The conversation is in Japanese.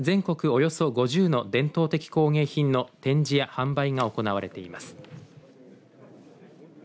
およそ５０の伝統的工芸品の展示や販売が行われています。